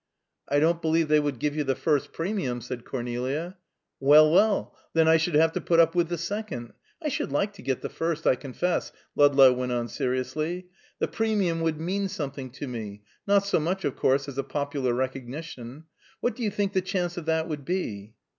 "I don't believe they would give you the first premium," said Cornelia. "Well, well, then I should have to put up with the second! I should like to get the first, I confess," Ludlow went on seriously. "The premium would mean something to me not so much, of course, as a popular recognition. What do you think the chance of that would be?"